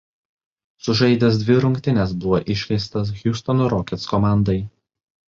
Sužaidęs dvi rungtynes buvo iškeistas Hiustono „Rockets“ komandai.